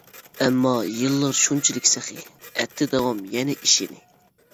ئەمما يىللار شۇنچىلىك سېخى، ئەتتى داۋام يەنە ئىشىنى.